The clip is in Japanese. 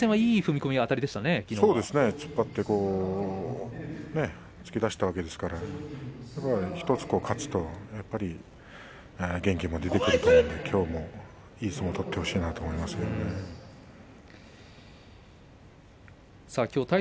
そうですね、突っ張って突き出したわけですから１つ勝つと、やっぱり元気も出てくると思うのできょうもいい相撲を取ってほしいなと思いますけど。